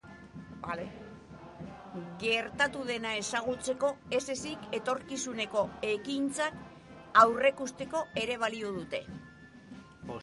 Gertatu dena ezagutzeko ez ezik, etorkizuneko ekintzak aurreikusteko ere balio digute.